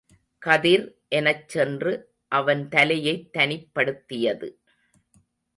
கதிர் எனச் சென்று அவன் தலையைத் தனிப்படுத்தியது.